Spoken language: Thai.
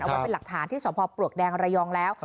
ไว้เป็นหลักฐานที่สพปลวกแดงระยองแล้ว